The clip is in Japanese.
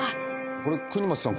これ國松さん